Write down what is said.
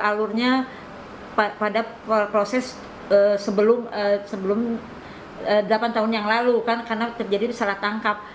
alurnya pada proses sebelum delapan tahun yang lalu kan karena terjadi salah tangkap